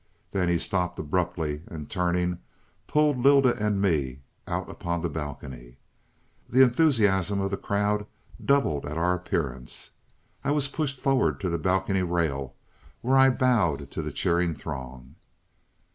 Then he stopped abruptly and, turning, pulled Lylda and me out upon the balcony. The enthusiasm of the crowd doubled at our appearance. I was pushed forward to the balcony rail, where I bowed to the cheering throng.